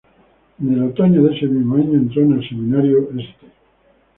En el otoño de ese mismo año entró en el Seminario St.